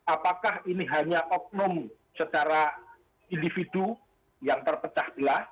apakah ini hanya oknum secara individu yang terpecah belah